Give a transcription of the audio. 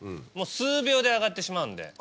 もう数秒で揚がってしまうんで。